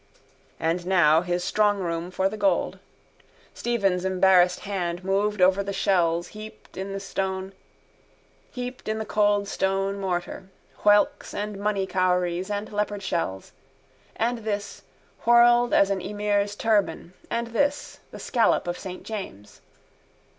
And now his strongroom for the gold. Stephen's embarrassed hand moved over the shells heaped in the cold stone mortar: whelks and money cowries and leopard shells: and this, whorled as an emir's turban, and this, the scallop of saint James.